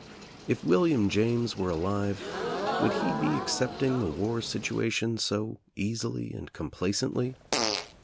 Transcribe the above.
If William James were alive would he be accept ing the war situation so easily and complacently?